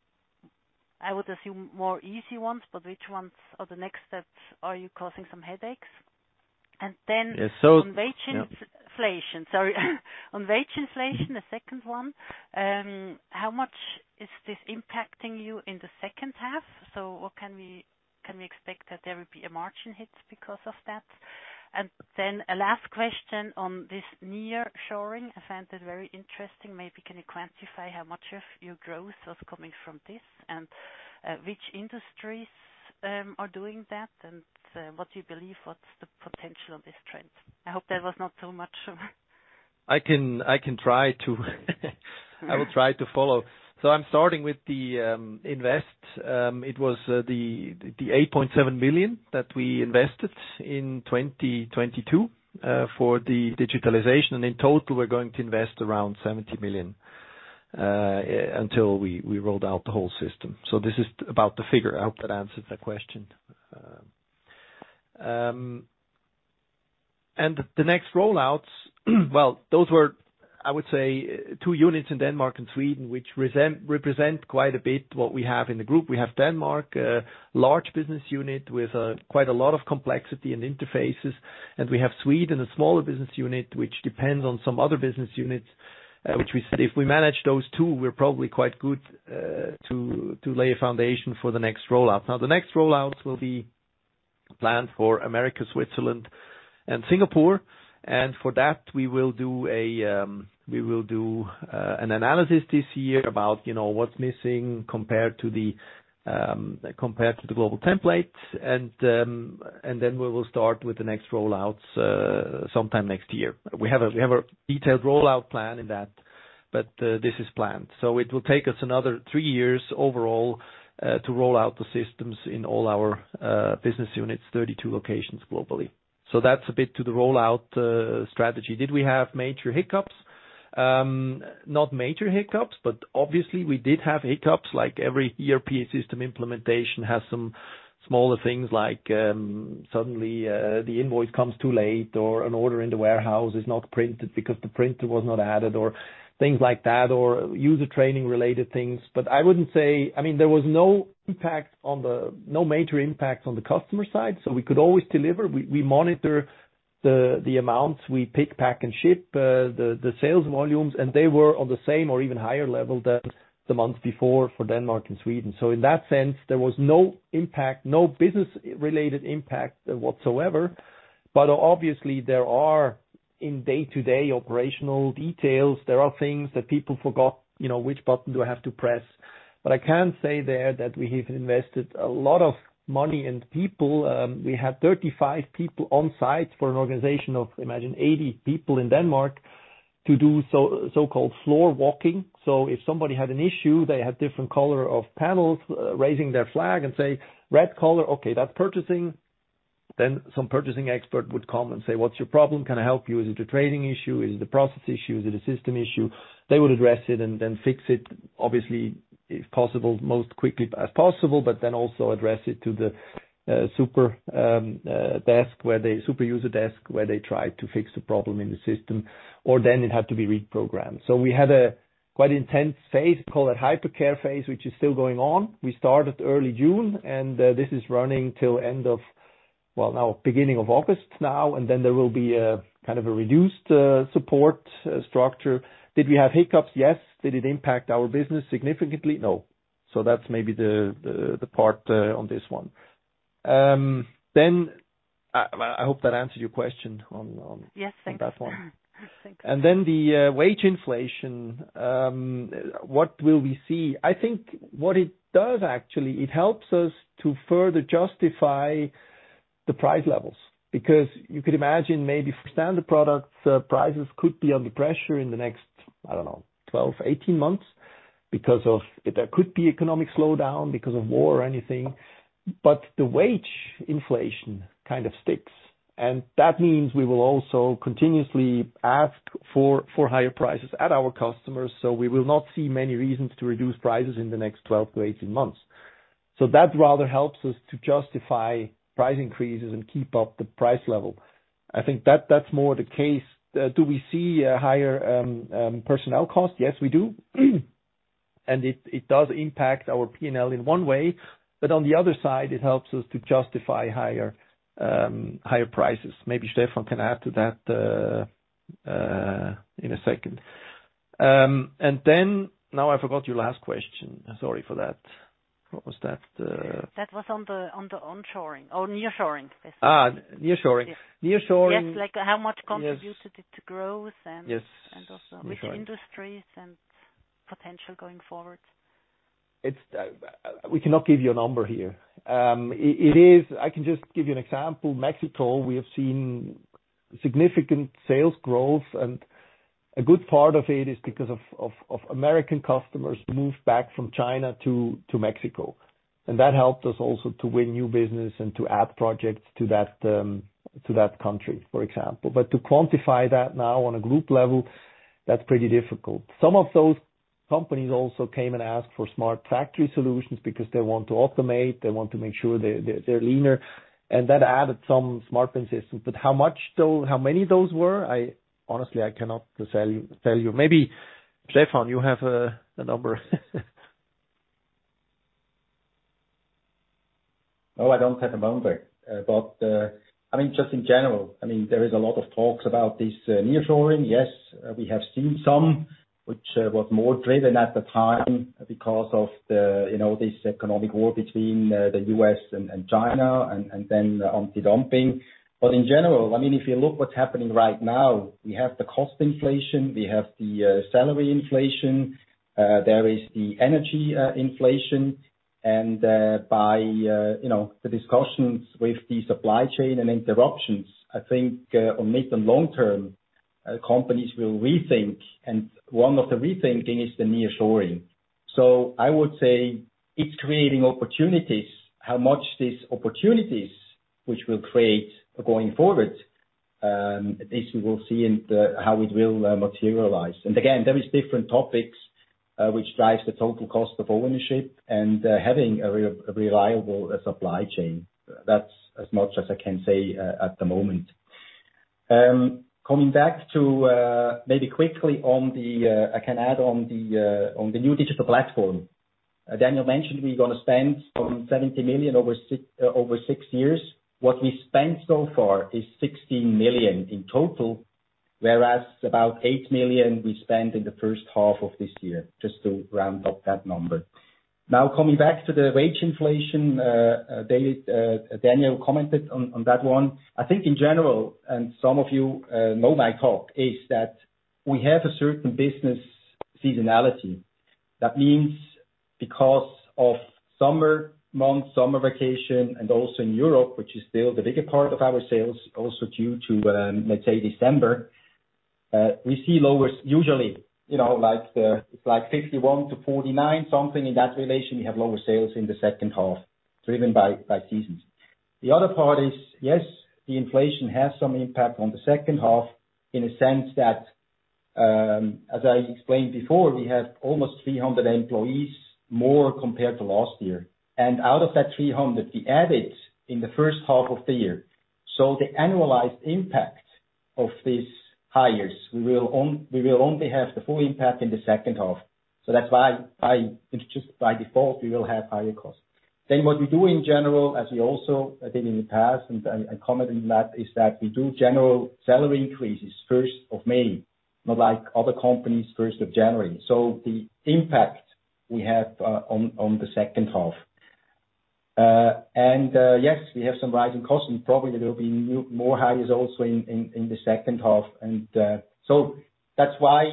I would assume, more easy ones, but which ones are the next steps? Are you causing some headaches? Yeah. On wage inflation, sorry, the second one, how much is this impacting you in the second half? What can we expect that there will be a margin hit because of that? A last question on this nearshoring. I found it very interesting. Maybe can you quantify how much of your growth was coming from this, and which industries are doing that, and what do you believe what's the potential of this trend? I hope that was not so much. I can try to. I will try to follow. I'm starting with the investment. It was the 8.7 million that we invested in 2022 for the digitalization. In total, we're going to invest around 70 million until we rolled out the whole system. This is about the figure. I hope that answers the question. The next rollouts, well, those were, I would say, 2 units in Denmark and Sweden, which represent quite a bit what we have in the group. We have Denmark, a large business unit with quite a lot of complexity and interfaces, and we have Sweden, a smaller business unit, which depends on some other business units, which we said if we manage those two, we're probably quite good to lay a foundation for the next rollout. Now, the next rollouts will be planned for America, Switzerland, and Singapore. For that, we will do an analysis this year about, you know, what's missing compared to the global template. We will start with the next rollouts sometime next year. We have a detailed rollout plan in that, but this is planned. It will take us another 3 years overall, to roll out the systems in all our business units, 32 locations globally. That's a bit to the rollout strategy. Did we have major hiccups? Not major hiccups, but obviously we did have hiccups like every ERP system implementation has some smaller things like, suddenly, the invoice comes too late or an order in the warehouse is not printed because the printer was not added or things like that, or user training related things. I wouldn't say. I mean, there was no major impact on the customer side, so we could always deliver. We monitor the amounts we pick, pack, and ship, the sales volumes, and they were on the same or even higher level than the month before for Denmark and Sweden. In that sense, there was no impact, no business-related impact, whatsoever. Obviously there are, in day-to-day operational details, there are things that people forgot, you know, which button do I have to press. I can say there that we have invested a lot of money and people. We had 35 people on site for an organization of, imagine, 80 people in Denmark to do so-called floor walking. If somebody had an issue, they had different color of panels, raising their flag and say, "Red color. Okay, that's purchasing." Then some purchasing expert would come and say, "What's your problem? Can I help you? Is it a training issue? Is it a process issue? Is it a system issue?" They would address it and then fix it, obviously, as quickly as possible, but then also address it to the super user desk, where they try to fix the problem in the system, or then it had to be reprogrammed. We had a quite intense phase, call it hypercare phase, which is still going on. We started early June, and this is running till end of now, beginning of August now, and then there will be a kind of a reduced support structure. Did we have hiccups? Yes. Did it impact our business significantly? No. That's maybe the part on this one. I hope that answered your question on Yes, thank you. n that one. Thanks. The wage inflation, what will we see? I think what it does, actually, it helps us to further justify the price levels. Because you could imagine maybe for standard products, prices could be under pressure in the next, I don't know, 12, 18 months because of. There could be economic slowdown because of war or anything. The wage inflation kind of sticks, and that means we will also continuously ask for higher prices at our customers, so we will not see many reasons to reduce prices in the next 12-18 months. That rather helps us to justify price increases and keep up the price level. I think that that's more the case. Do we see a higher personnel cost? Yes, we do. It does impact our P&L in one way, but on the other side, it helps us to justify higher prices. Maybe Stephan can add to that in a second. Then now I forgot your last question. Sorry for that. What was that? That was on the onshoring or nearshoring, basically. Nearshoring. Yes. Nearshoring- Yes. Like how much? Yes. contributed it to growth and Yes. Also which industries and potential going forward. We cannot give you a number here. I can just give you an example. Mexico, we have seen significant sales growth, and a good part of it is because of American customers who moved back from China to Mexico. That helped us also to win new business and to add projects to that country, for example. To quantify that now on a group level, that's pretty difficult. Some of those companies also came and asked for Smart Factory solutions because they want to automate, they want to make sure they're leaner, and that added some smart assistance. How much though, how many of those were? I honestly cannot tell you. Maybe Stephan, you have a number. No, I don't have a number. I mean, just in general, I mean, there is a lot of talks about this nearshoring. Yes, we have seen some, which was more driven at the time because of the, you know, this economic war between the U.S. and China and then the anti-dumping. In general, I mean, if you look what's happening right now, we have the cost inflation, we have the salary inflation, there is the energy inflation and, you know, the discussions with the supply chain and interruptions. I think, on medium long-term, companies will rethink and one of the rethinking is the nearshoring. I would say it's creating opportunities. How much these opportunities which will create going forward, this we will see in the, how it will, materialize. Again, there is different topics which drives the total cost of ownership and having a reliable supply chain. That's as much as I can say at the moment. Coming back to maybe quickly on the I can add on the on the new digital platform. Daniel mentioned we're gonna spend 70 million over six years. What we spent so far is 16 million in total, whereas about 8 million we spent in the first half of this year, just to round up that number. Now coming back to the wage inflation, Daniel Commented on that one. I think in general, and some of you know my talk, is that we have a certain business seasonality. That means because of summer months, summer vacation, and also in Europe, which is still the bigger part of our sales, also due to, let's say, December, we see lower usually, you know, like 51-49, something in that relation, we have lower sales in the second half driven by seasons. The other part is, yes, the inflation has some impact on the second half in a sense that, as I explained before, we have almost 300 employees more compared to last year. Out of that 300, we added in the first half of the year. The annualized impact of these hires, we will only have the full impact in the second half. That's why, just by default, we will have higher costs. What we do in general, as we also did in the past, and I commented on that, is that we do general salary increases first of May, not like other companies, first of January. The impact we have on the second half. Yes, we have some rising costs, and probably there will be new, more hires also in the second half, and. That's why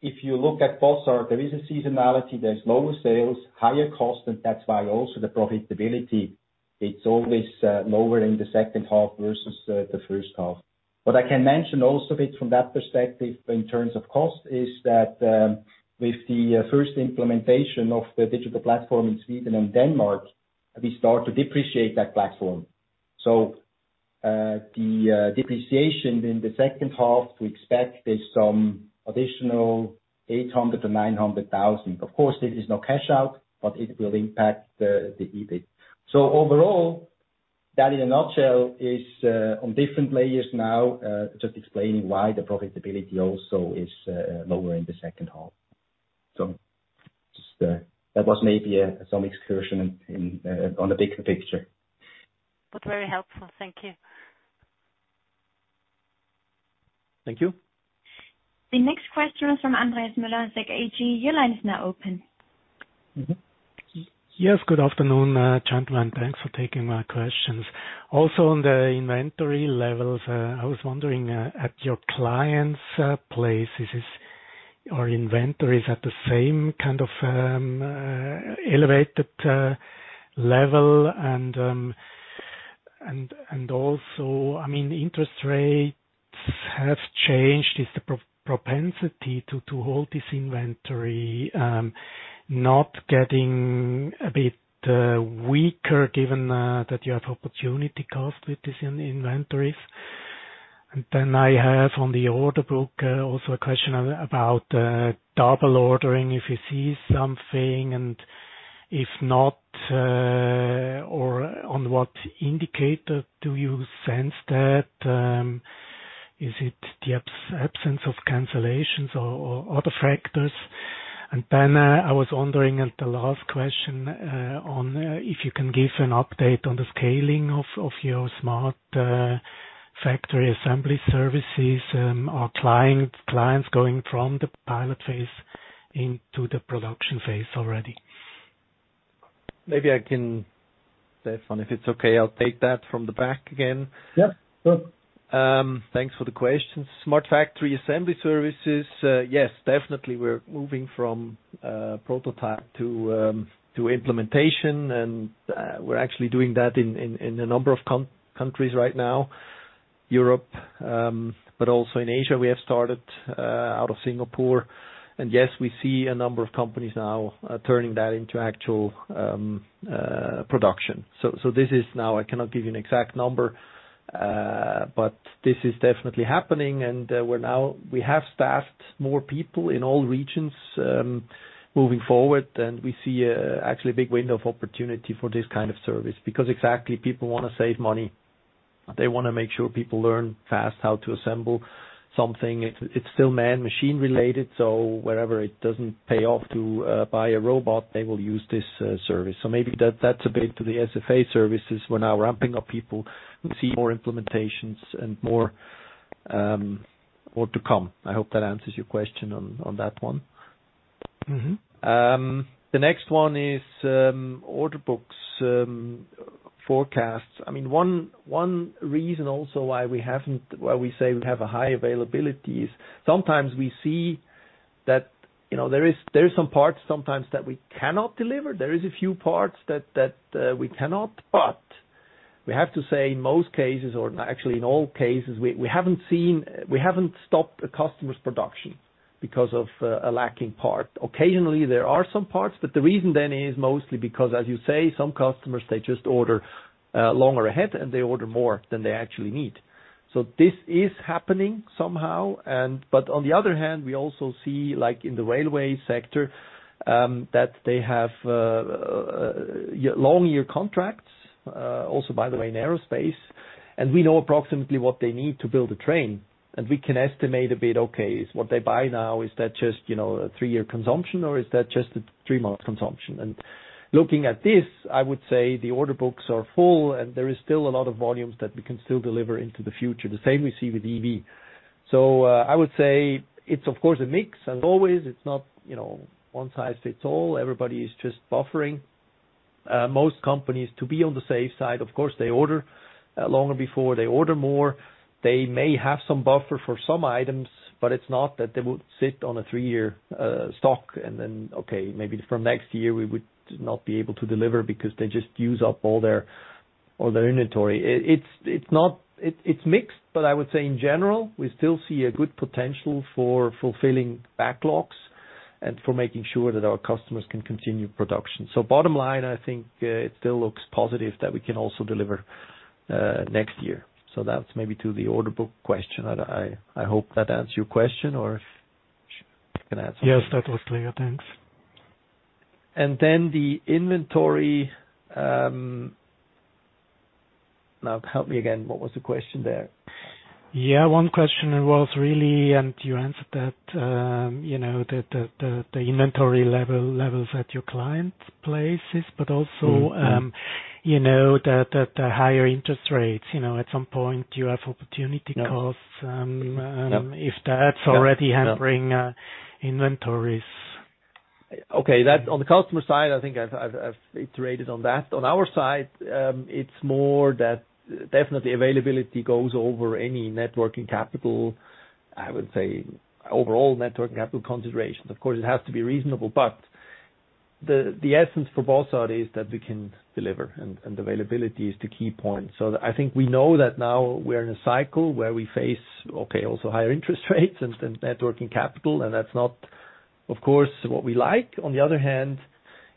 if you look at Bossard, there is a seasonality, there's lower sales, higher costs, and that's why also the profitability, it's always lower in the second half versus the first half. What I can mention also a bit from that perspective in terms of cost is that, with the first implementation of the digital platform in Sweden and Denmark, we start to depreciate that platform. The depreciation in the second half, we expect there's some additional 800 thousand-900 thousand. Of course, there is no cash out, but it will impact the EBIT. Overall, that in a nutshell is on different layers now just explaining why the profitability also is lower in the second half. That was maybe some excursion on the bigger picture. Was very helpful. Thank you. Thank you. The next question is from Andreas Müller, ZKB. Your line is now open. Yes. Good afternoon, gentlemen. Thanks for taking my questions. Also, on the inventory levels, I was wondering, at your clients' place, are inventories at the same kind of elevated level and also, I mean, interest rates have changed. Is the propensity to hold this inventory not getting a bit weaker given that you have opportunity cost with these inventories? Then I have on the order book also a question about double ordering, if you see something and if not, or on what indicator do you sense that? Is it the absence of cancellations or other factors? Then, I was wondering, and the last question, on if you can give an update on the scaling of your smart factory assembly services. Are clients going from the pilot phase into the production phase already? Stephan, if it's okay, I'll take that from the back again. Yeah, sure. Thanks for the question. Smart Factory Assembly services. Yes, definitely, we're moving from prototype to implementation. We're actually doing that in a number of countries right now. Europe, but also in Asia, we have started out of Singapore. Yes, we see a number of companies now turning that into actual production. This is now. I cannot give you an exact number, but this is definitely happening. We have staffed more people in all regions moving forward. We see actually a big window of opportunity for this kind of service. Because exactly people wanna save money. They wanna make sure people learn fast how to assemble something. It's still man-machine related, so wherever it doesn't pay off to buy a robot, they will use this service. Maybe that's a bit to the SFA services. We're now ramping up people. We see more implementations and more to come. I hope that answers your question on that one. Mm-hmm. The next one is order books forecasts. I mean, one reason also why we say we have a high availability is sometimes we see that, you know, there is some parts sometimes that we cannot deliver. There is a few parts that we cannot. We have to say in most cases, or actually in all cases, we haven't stopped a customer's production because of a lacking part. Occasionally, there are some parts, but the reason then is mostly because, as you say, some customers, they just order longer ahead, and they order more than they actually need. This is happening somehow, and on the other hand, we also see, like in the railway sector, that they have year-long contracts, also by the way, in aerospace. We know approximately what they need to build a train. We can estimate a bit, okay, is what they buy now, is that just, you know, a three-year consumption or is that just a three-month consumption? Looking at this, I would say the order books are full and there is still a lot of volumes that we can still deliver into the future. The same we see with EV. I would say it's of course a mix and always it's not, you know, one-size-fits-all. Everybody is just buffering. Most companies to be on the safe side, of course, they order longer before. They order more. They may have some buffer for some items, but it's not that they would sit on a three-year stock and then, okay, maybe from next year we would not be able to deliver because they just use up all their inventory. It's mixed, but I would say in general, we still see a good potential for fulfilling backlogs and for making sure that our customers can continue production. Bottom line, I think, it still looks positive that we can also deliver next year. That's maybe to the order book question. I hope that answers your question or if she can add something. Yes, that was clear. Thanks. The inventory. Now help me again, what was the question there? Yeah, one question was really, and you answered that, you know, the inventory levels at your clients' places. But also, you know, the higher interest rates, you know, at some point, you have opportunity costs. If that's already hampering inventories. Okay. That on the customer side, I think I've iterated on that. On our side, it's more that definitely availability goes over any net working capital, I would say, overall net working capital considerations. Of course, it has to be reasonable, but the essence for Bossard is that we can deliver and availability is the key point. I think we know that now we're in a cycle where we face, okay, also higher interest rates and net working capital, and that's not, of course, what we like. On the other hand,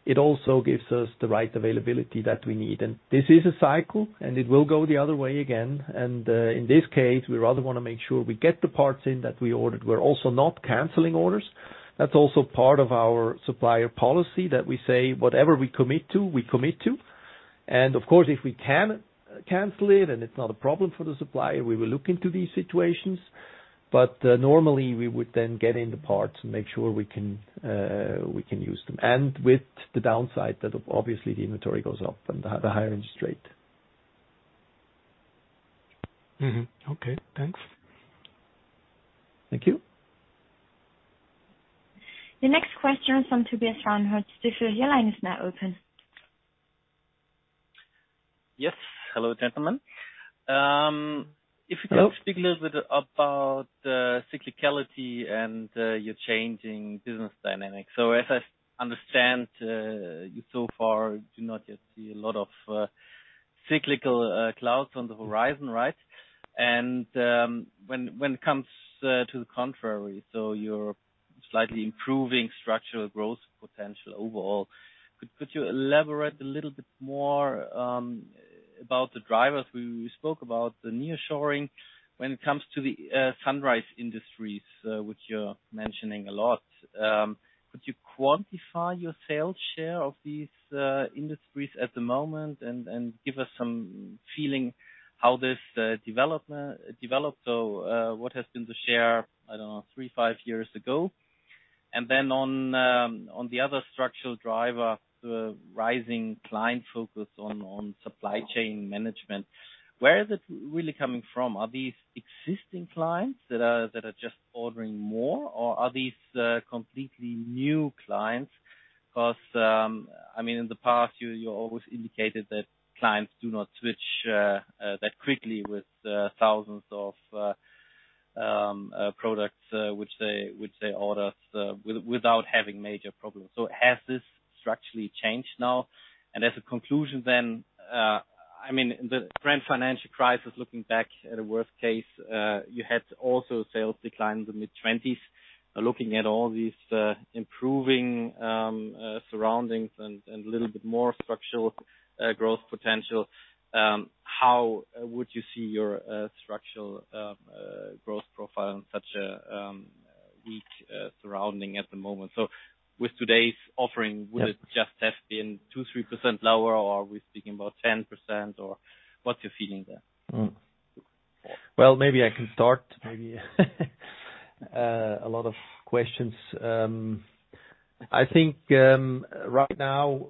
it also gives us the right availability that we need. This is a cycle, and it will go the other way again. In this case, we rather wanna make sure we get the parts in that we ordered. We're also not canceling orders. That's also part of our supplier policy that we say whatever we commit to, we commit to. Of course, if we can cancel it and it's not a problem for the supplier, we will look into these situations. Normally we would then get in the parts and make sure we can use them. With the downside that obviously the inventory goes up and the higher interest rate. Mm-hmm. Okay. Thanks. Thank you. The next question is from Tobias Scharnhorst, Stifel. Your line is now open. Yes. Hello, gentlemen. Hello. Speak a little bit about the cyclicality and your changing business dynamics. As I understand, you so far do not yet see a lot of cyclical clouds on the horizon, right? When it comes to the contrary, your slightly improving structural growth potential overall. Could you elaborate a little bit more about the drivers? We spoke about the nearshoring when it comes to the sunrise industries, which you're mentioning a lot. Could you quantify your sales share of these industries at the moment and give us some feeling how this development developed? What has been the share, I don't know, 3, 5 years ago? Then on the other structural driver, the rising client focus on supply chain management, where is it really coming from? Are these existing clients that are just ordering more, or are these completely new clients? Because, I mean, in the past you always indicated that clients do not switch that quickly with thousands of products which they order without having major problems. Has this structurally changed now? As a conclusion then, I mean, the Great Financial Crisis, looking back at a worst case, you had also sales decline in the mid-twenties. Looking at all these improving surroundings and little bit more structural growth potential, how would you see your structural growth profile in such a weak surrounding at the moment? With today's offering. Yes. Would it just have been 2%-3% lower or are we speaking about 10% or what's your feeling there? Well, maybe I can start. Maybe a lot of questions. I think right now,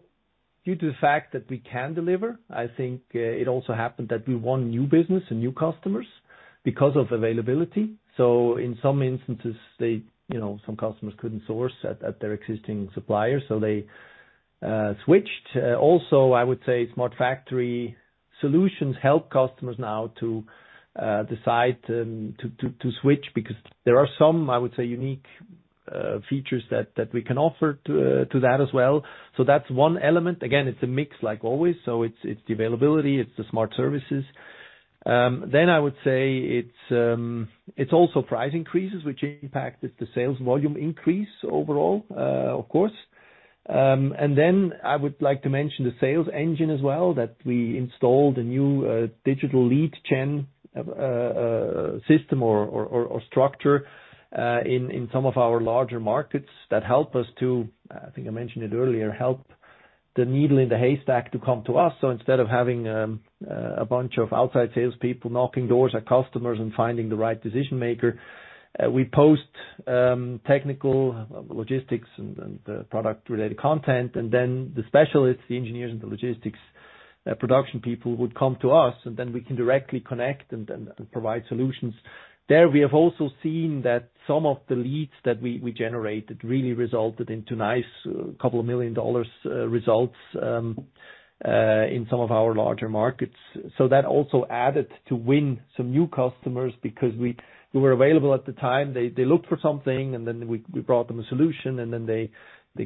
due to the fact that we can deliver, I think it also happened that we won new business and new customers because of availability. In some instances they, you know, some customers couldn't source at their existing suppliers, so they switched. Also, I would say Smart Factory solutions help customers now to decide to switch because there are some, I would say, unique features that we can offer to that as well. That's one element. Again, it's a mix like always. It's the availability, it's the smart services. I would say it's also price increases which impacted the sales volume increase overall, of course. I would like to mention the sales engine as well, that we installed a new digital lead gen system or structure in some of our larger markets that help us to. I think I mentioned it earlier, help the needle in the haystack to come to us. Instead of having a bunch of outside salespeople knocking doors at customers and finding the right decision maker, we post technical logistics and product-related content. The specialists, the engineers, and the logistics production people would come to us, and we can directly connect and provide solutions. There we have also seen that some of the leads that we generated really resulted in a nice couple of $2 million results in some of our larger markets. That also added to win some new customers because we were available at the time. They looked for something, and then we brought them a solution, and then they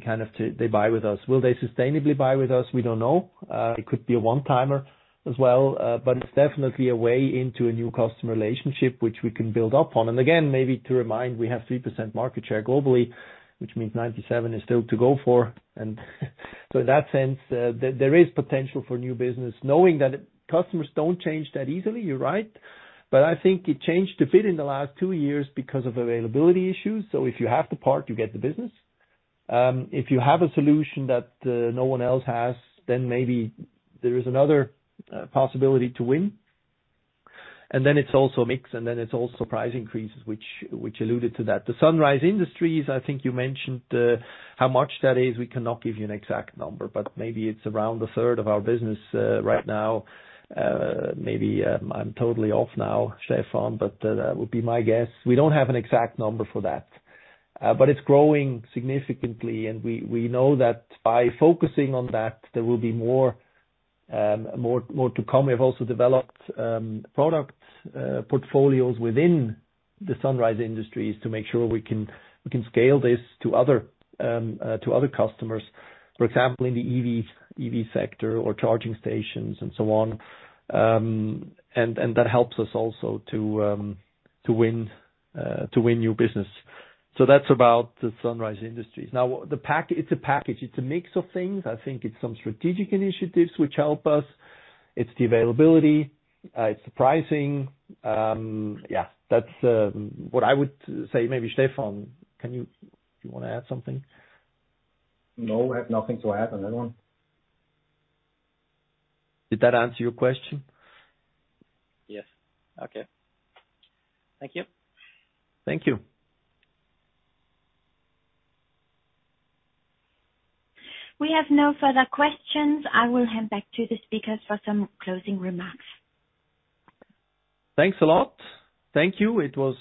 kind of buy with us. Will they sustainably buy with us? We don't know. It could be a one-timer as well, but it's definitely a way into a new customer relationship which we can build up on. Again, maybe to remind, we have 3% market share globally, which means 97 is still to go for. In that sense, there is potential for new business. Knowing that customers don't change that easily, you're right. I think it changed a bit in the last two years because of availability issues. If you have the part, you get the business. If you have a solution that no one else has, then maybe there is another possibility to win. Then it's also mix, and then it's also price increases which alluded to that. The sunrise industries, I think you mentioned, how much that is. We cannot give you an exact number, but maybe it's around a third of our business right now. I'm totally off now, Stephan, but that would be my guess. We don't have an exact number for that, but it's growing significantly. We know that by focusing on that, there will be more to come. We have also developed product portfolios within the sunrise industries to make sure we can scale this to other customers. For example, in the EV sector or charging stations and so on. That helps us also to win new business. That's about the sunrise industries. Now, it's a package, it's a mix of things. I think it's some strategic initiatives which help us. It's the availability, it's the pricing. Yeah, that's what I would say. Maybe Stephan, do you wanna add something? No, I have nothing to add on that one. Did that answer your question? Yes. Okay. Thank you. Thank you. We have no further questions. I will hand back to the speakers for some closing remarks. Thanks a lot. Thank you. It was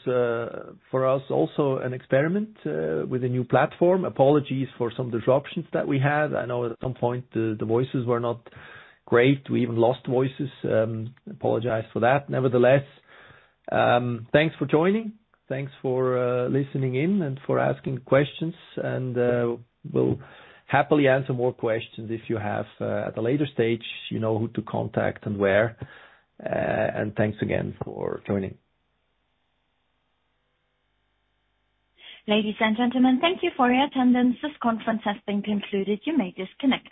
for us also an experiment with a new platform. Apologies for some disruptions that we had. I know at some point the voices were not great. We even lost voices. Apologize for that. Nevertheless, thanks for joining. Thanks for listening in and for asking questions, and we'll happily answer more questions if you have at a later stage. You know who to contact and where. Thanks again for joining. Ladies and gentlemen, thank you for your attendance. This conference has been concluded. You may disconnect.